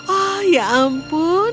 oh ya ampun